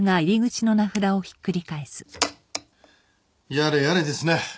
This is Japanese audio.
やれやれですね。